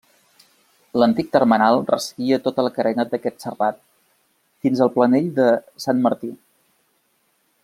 L'antic termenal resseguia tota la carena d'aquest serrat, fins al Planell de Sant Martí.